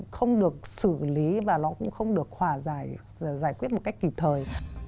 không được xử lý và nó cũng không được hỏa giải quyết một cách kịp thời